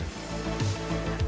terima kasih mas untuk menonton